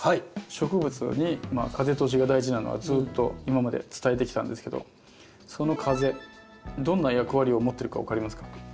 植物に風通しが大事なのはずっと今まで伝えてきたんですけどその風どんな役割を持ってるか分かりますか？